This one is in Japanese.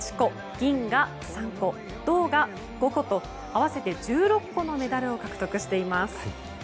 銀が３個銅が５個と合わせて１６個のメダルを獲得しています。